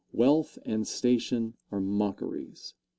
Wealth and station are mockeries.